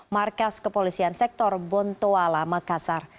markas kepolisian sektor bontoala makassar